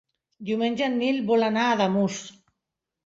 Diumenge en Nil vol anar a Ademús.